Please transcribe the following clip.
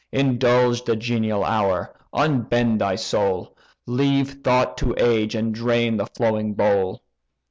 Indulge the genial hour, unbend thy soul, Leave thought to age, and drain the flowing bowl.